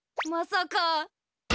まさか。